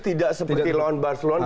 tidak seperti lawan barcelona